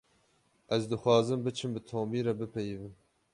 Ez dixwazim biçim bi Tomî re bipeyivim.